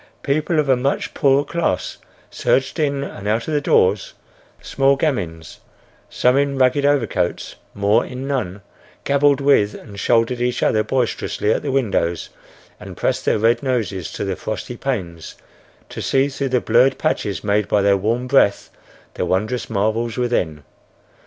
People of a much poorer class surged in and out of the doors; small gamins, some in ragged overcoats, more in none, gabbled with and shouldered each other boisterously at the windows and pressed their red noses to the frosty panes, to see through the blurred patches made by their warm breath the wondrous marvels within.